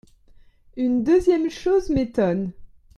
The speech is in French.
Une deuxième chose m’étonne.